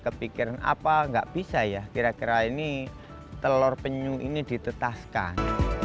kepikiran apa nggak bisa ya kira kira ini telur penyu ini ditetaskan